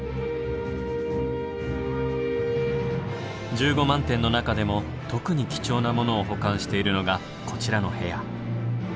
１５万点の中でも特に貴重なものを保管しているのがこちらの部屋。